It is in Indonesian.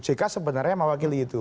jk sebenarnya mewakili itu